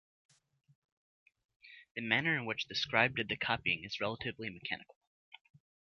The manner in which the scribe did the copying is relatively mechanical.